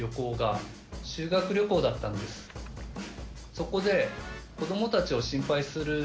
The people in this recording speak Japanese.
そこで。